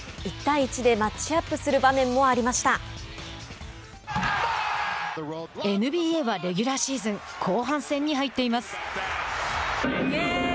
１対１でマッチアップする場面もＮＢＡはレギュラーシーズン後半戦に入っています。